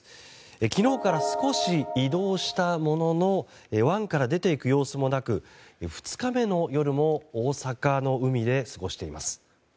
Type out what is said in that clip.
昨日から少し移動したものの湾から出ていく様子もなく２日目の夜も大阪の海で過ごしています。